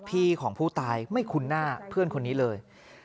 พี่ของผู้ตายไม่คุ้นหน้าเพื่อนคนนี้เลย